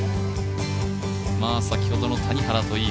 先ほどの谷原といい